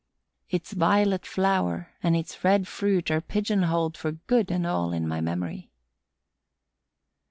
Its violet flower and its red fruit are pigeonholed for good and all in my memory.